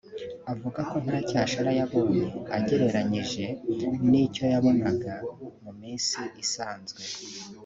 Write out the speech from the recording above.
avuga ko nta cyashara yabonye agereranyije n’icyo yabonaga mu minsi isanzwe